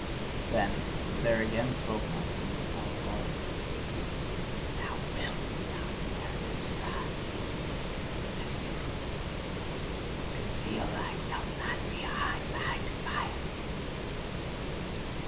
Then was there again spoken unto me without voice: "Thou WILT not, Zarathustra? Is this true? Conceal thyself not behind thy defiance!"